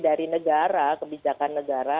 dari negara kebijakan negara